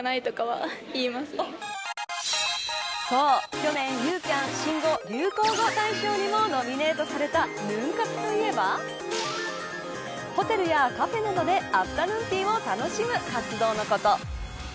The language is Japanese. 去年ユーキャン新語・流行語大賞にもノミネートされたヌン活といえばホテルやカフェなどでアフタヌーンティーを楽しむ活動のこと。